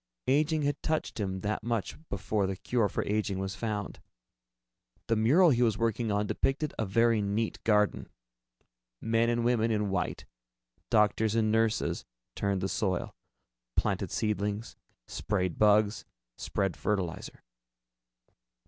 Aging had touched him that much before the cure for aging was found. The mural he was working on depicted a very neat garden. Men and women in white, doctors and nurses, turned the soil, planted seedlings, sprayed bugs, spread fertilizer.